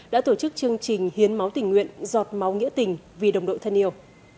đã tổ chức chương trình hiến máu tình nguyện giọt máu nghĩa tình vì đồng đội thân yêu